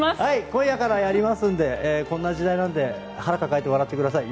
今夜からやりますんでこんな時代なんで腹を抱えて笑ってください。